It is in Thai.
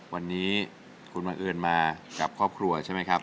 วันนี้คุณบังเอิญมากับครอบครัวใช่ไหมครับ